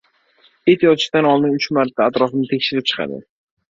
• It yotishdan oldin uch marta atrofni tekshirib chiqadi;